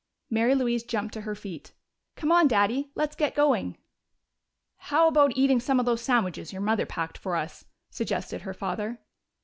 Mary Louise jumped to her feet. "Come on, Daddy! Let's get going!" "How about eating some of those sandwiches your mother packed for us?" suggested her father.